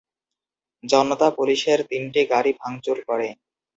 জনতা পুলিশের তিনটি গাড়ি ভাঙচুর করে।